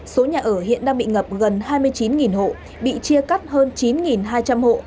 số nhà ở hiện đang bị ngập gần hai mươi chín hộ bị chia cắt hơn chín hai trăm linh hộ